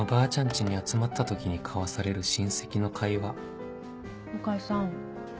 家に集まった時に交わされる親戚の会話向井さん。